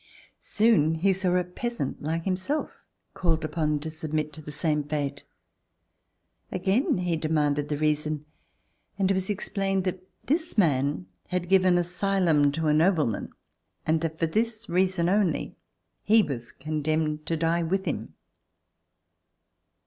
Soon he saw a peasant like himself called upon to submit to the same fate. Again he demanded the reason and it was explained that this man had given asylum to a nobleman and that for this reason only he was condemned to die with him.